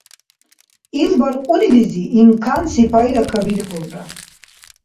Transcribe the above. Ил баркьудилизи имканси пайра кабирхьулра.